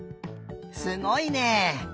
すごいね。